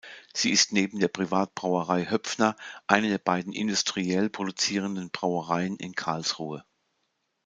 Sie ist neben der Privatbrauerei Hoepfner eine der beiden industriell produzierenden Brauereien in Karlsruhe.